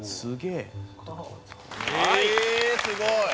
ええすごい！